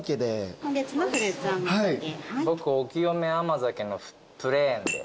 僕お浄め甘酒のプレーンで。